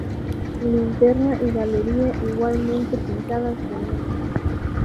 Linterna y galería igualmente pintadas de negro.